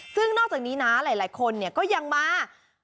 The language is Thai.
ซึ่งนอกจากนี้นะหลายคนก็ยังมา